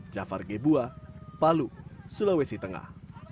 jafar gebua palu sulawesi tengah